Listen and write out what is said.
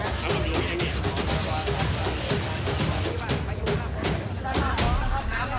ผมไหวครับ